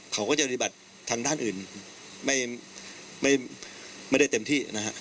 เขาก็จะปฏิบัติทางด้านอื่นไม่ได้เต็มที่นะฮะ